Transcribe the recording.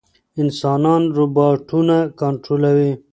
انسانان روباټونه کنټرولوي.